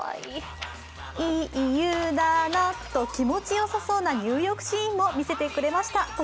いい油だなと気持ちよさそうな入浴シーンも見せてくれました。